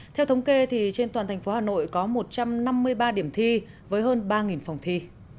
theo thống kê trên toàn thành phố hà nội có một trăm năm mươi ba điểm thi với hơn ba phòng thi